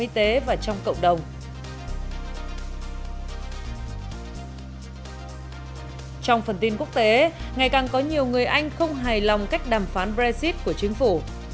trong phần tin quốc tế ngày càng có nhiều người anh không hài lòng cách đàm phán brexit của chính phủ